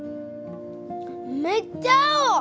めっちゃ青！